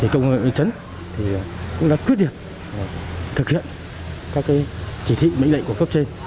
công an huyện văn chấn cũng đã quyết định thực hiện các chỉ thị mệnh lệnh của cấp trên